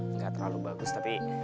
enggak terlalu bagus tapi